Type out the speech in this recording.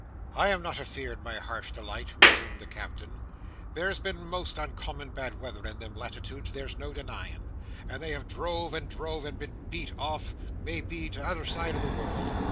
"I am not afeard, my Heart's delight," resumed the Captain, "There's been most uncommon bad weather in them latitudes, there's no denyin', and they have drove and drove and been beat off, may be t'other side the world.